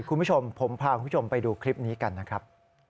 คุณผู้ชมผมพาคุณผู้ชมไปดูคลิปนี้กันนะครับ